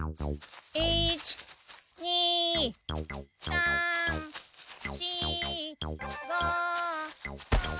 １２３４５６。